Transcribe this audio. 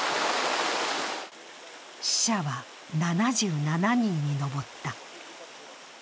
死者は７７人に上った。